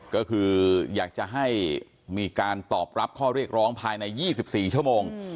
ก็คืออยากจะให้มีการตอบรับข้อเรียกร้องภายใน๒๔ชั่วโมง